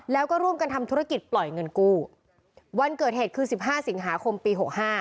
แล้วก็ร่วมกันทำธุรกิจปล่อยเงินกู้วันเกิดเหตุคือ๑๕สิงหาคมปี๖๕